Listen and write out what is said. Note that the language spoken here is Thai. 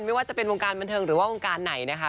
ไม่ว่าจะเป็นวงการบันเทิงหรือว่าวงการไหนนะคะ